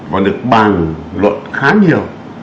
và được bàn luận khá nhiều